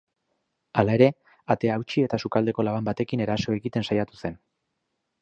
Hala ere, atea hautsi eta sukaldeko laban batekin eraso egiten saiatu zen.